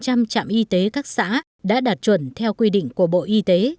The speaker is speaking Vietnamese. tổng giám y tế các xã đã đạt chuẩn theo quy định của bộ y tế